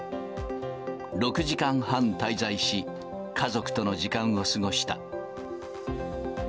６時間半滞在し、家族との時間を過ごした。